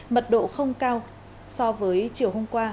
mật độ không cao so với chiều hôm qua